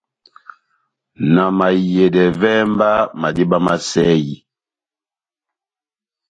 Na mahiyedɛ, vɛ́hɛ mba madíma má sɛyi !